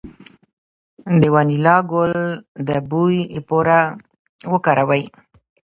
د وانیلا ګل د بوی لپاره وکاروئ